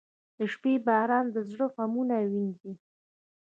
• د شپې باران د زړه غمونه وینځي.